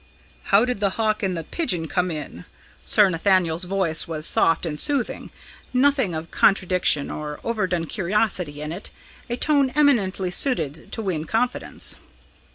"How did the hawk and the pigeon come in?" Sir Nathaniel's voice was soft and soothing, nothing of contradiction or overdone curiosity in it a tone eminently suited to win confidence.